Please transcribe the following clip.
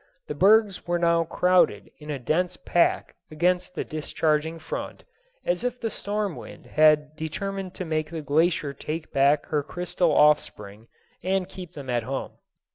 The bergs were now crowded in a dense pack against the discharging front, as if the storm wind had determined to make the glacier take back her crystal offspring and keep them at home.